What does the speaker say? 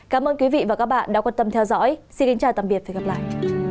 cảm ơn quý vị và các bạn đã quan tâm theo dõi xin kính chào tạm biệt và hẹn gặp lại